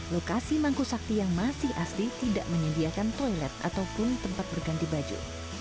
lokasi mangku sakti yang masih asli tidak menyediakan toilet ataupun tempat berganti baju